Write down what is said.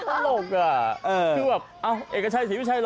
ตลกอ่ะคือแบบเอ้าเอกชัยศรีวิชัยเหรอ